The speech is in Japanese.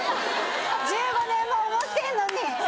１５年も思ってんのに！